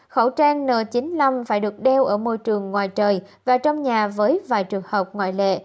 khẩu trang n chín mươi năm phải được đeo ở môi trường ngoài trời và trong nhà với vài trường hợp ngoại lệ